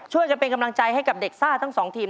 ช่วยกันเป็นกำลังใจให้กับเด็กซ่าทั้งสองทีม